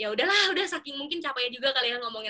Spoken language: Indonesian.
yaudah lah udah saking mungkin capeknya juga kalian ngomongin aku